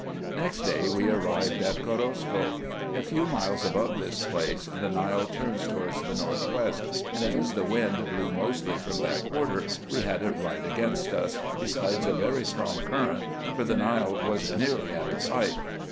Next day we arrived at Korosko. A few miles above this place the Nile turns towards the north west, and as the wind blew mostly from that quarter, we had it right against us, besides a very strong current, for the Nile was nearly at its height.